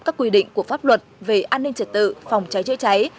các quy định của pháp luật về an ninh trật tự phòng cháy chữa cháy